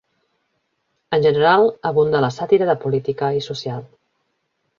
En general, abunda la sàtira de política i social.